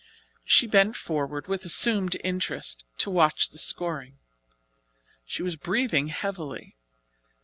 She bent forward with assumed interest to watch the scoring. She was breathing heavily.